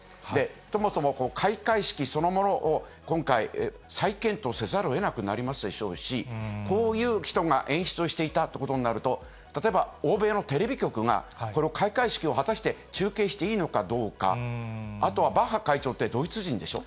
そもそも開会式そのものを今回、再検討せざるをえなくなりますでしょうし、こういう人が演出をしていたということになると、例えば、欧米のテレビ局がこれ、開会式を果たして中継していいのかどうか、あとはバッハ会長ってドイツ人でしょ？